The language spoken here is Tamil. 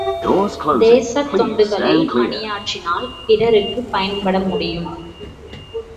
தேசத் தொண்டுகளில் பணியாற்றினால், பிறருக்குப் பயன்பட முடியும்.